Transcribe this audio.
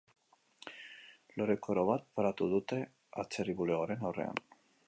Lore-koro bat paratu dute atzerri bulegoaren aurrean.